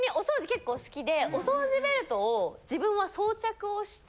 結構好きでお掃除ベルトを自分は装着をして。